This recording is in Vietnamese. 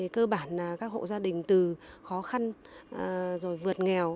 cơ bản là các hộ gia đình từ khó khăn rồi vượt nghèo